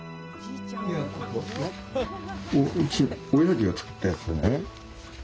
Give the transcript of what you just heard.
うちのおやじが作ったやつでね。